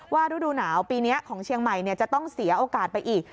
ฤดูหนาวปีนี้ของเชียงใหม่จะต้องเสียโอกาสไปอีก